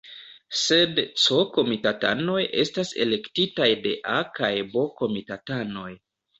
Sed C-komitatanoj estas elektitaj de A- kaj B-komitatanoj.